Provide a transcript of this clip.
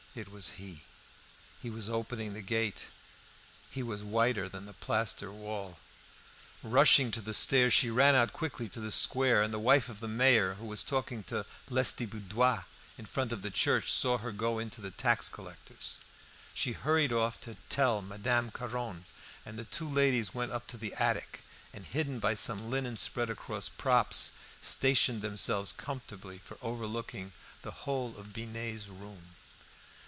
It was he; he was opening the gate; he was whiter than the plaster wall. Rushing to the stairs, she ran out quickly to the square; and the wife of the mayor, who was talking to Lestiboudois in front of the church, saw her go in to the tax collector's. She hurried off to tell Madame Caron, and the two ladies went up to the attic, and, hidden by some linen spread across props, stationed themselves comfortably for overlooking the whole of Binet's room.